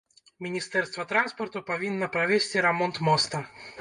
Міністэрства транспарту павінна правесці рамонт моста.